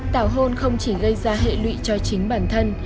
tảo hôn không chỉ gây ra hệ lụy cho chính bản thân